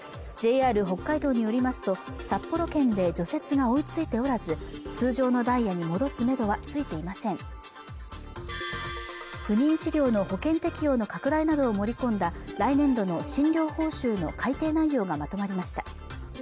ＪＲ北海道によりますと札幌圏で除雪が追いついておらず通常のダイヤに戻すめどはついていません不妊治療の保険適用の拡大などを盛り込んだ来年度の診療報酬の改定内容がまとまりました